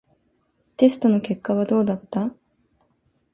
テストの結果はどうだった？